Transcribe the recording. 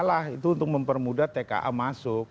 tka itu untuk mempermudahkan tka masuk